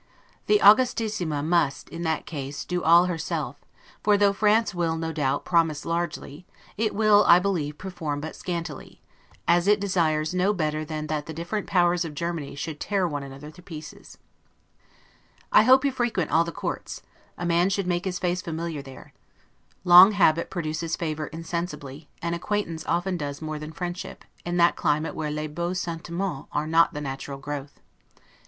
The 'Augustissima' must, in that case, do all herself; for though France will, no doubt, promise largely, it will, I believe, perform but scantily; as it desires no better than that the different powers of Germany should tear one another to pieces. I hope you frequent all the courts: a man should make his face familiar there. Long habit produces favor insensibly; and acquaintance often does more than friendship, in that climate where 'les beaux sentimens' are not the natural growth.